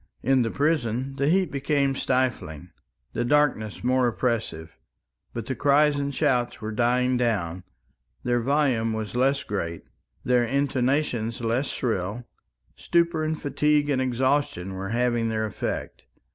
In the prison the heat became stifling, the darkness more oppressive, but the cries and shouts were dying down; their volume was less great, their intonation less shrill; stupor and fatigue and exhaustion were having their effect.